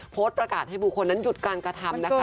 โพสต์ประกาศให้บุคคลนั้นหยุดการกระทำนะคะ